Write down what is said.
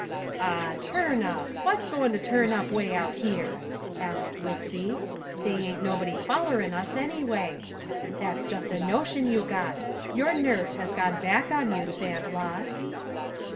"Ah, turn up! What's goin' to turn up 'way out here?" asked Wixy. "They ain't nobody follerin' us anyway. That's just a notion you got. Your nerves has gone back on you, Sandlot."